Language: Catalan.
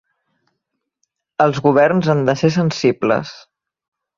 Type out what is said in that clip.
Els governs han de ser sensibles.